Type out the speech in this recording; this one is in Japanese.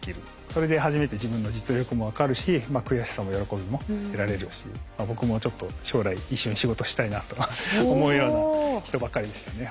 それで初めて自分の実力も分かるし悔しさも喜びも得られるし僕もちょっと将来一緒に仕事したいなと思うような人ばっかりでしたね。